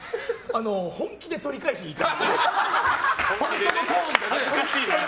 本気で取り返しにいった。